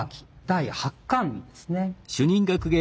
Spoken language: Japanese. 第８巻ですね。